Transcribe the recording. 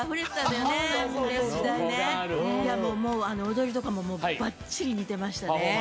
踊りとかもばっちり似てましたね。